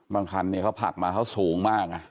บางครั้งเขาผักมาเขาสูงมากอะ